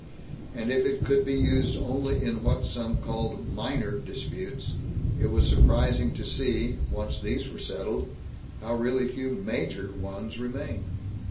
And if it could be used only in what some called "minor" disputes, it was surprising to see, once these were settled, how really few "major" ones remained.